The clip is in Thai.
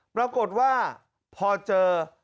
ปรากฏว่าพอเจอ